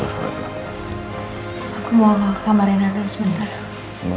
aku mau ke kamar rina dulu sebentar